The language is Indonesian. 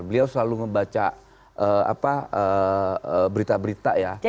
beliau selalu membaca berita berita ya